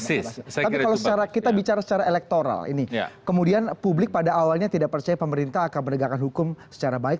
tapi kalau secara kita bicara secara elektoral ini kemudian publik pada awalnya tidak percaya pemerintah akan menegakkan hukum secara baik